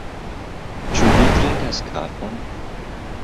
Ĉu vi trinkas kafon?